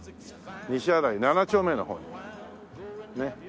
西新井７丁目の方にねっ。